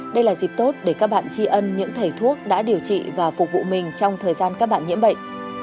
đây là dịp tốt để các bạn tri ân những thầy thuốc đã điều trị và phục vụ mình trong thời gian các bạn nhiễm bệnh